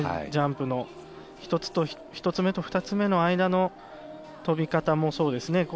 ジャンプも１つ目と２つ目の間の跳び方もそうですね。